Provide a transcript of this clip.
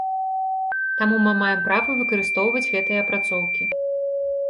Таму мы маем права выкарыстоўваць гэтыя апрацоўкі.